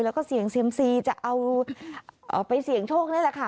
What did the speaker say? แล้วก็เสี่ยงเซียมซีจะเอาไปเสี่ยงโชคนี่แหละค่ะ